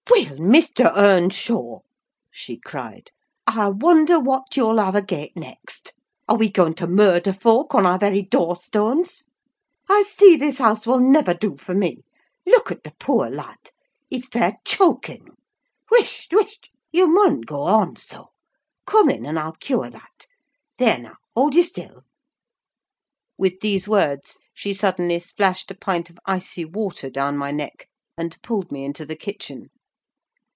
"Well, Mr. Earnshaw," she cried, "I wonder what you'll have agait next? Are we going to murder folk on our very door stones? I see this house will never do for me—look at t' poor lad, he's fair choking! Wisht, wisht; you mun'n't go on so. Come in, and I'll cure that: there now, hold ye still." With these words she suddenly splashed a pint of icy water down my neck, and pulled me into the kitchen.